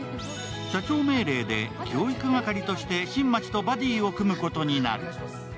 社長命令で教育係として新町とバディーを組むことになる。